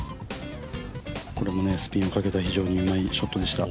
これもスピンをかけた非常にうまいショットでした。